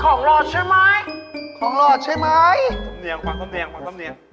ใครลืมบอกมือสองปะเนี่ย